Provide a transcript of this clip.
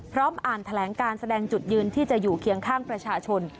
พร้อมอ่านแถลงการแสดงจุดยืนที่จะอยู่เคียงข้างประชาชน